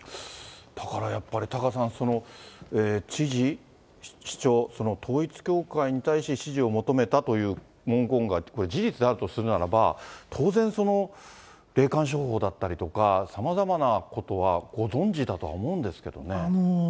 だからやっぱり、タカさん、知事、市長、統一教会に対し支持を求めたという文言が、これ事実であるとするならば、当然、その霊感商法だったりとか、さまざまなことはご存じだと思うんですけどね。